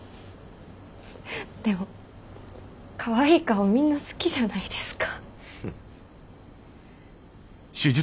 でもかわいい顔みんな好きじゃないですか。